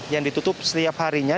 yang ditutup setiap harinya